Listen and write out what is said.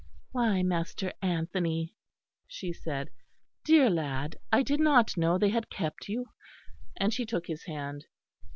"Why, Master Anthony," she said, "dear lad; I did not know they had kept you," and she took his hand.